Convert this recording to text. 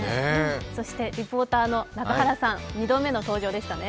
そしてリポーターの中原さん、２度目の登場でしたね。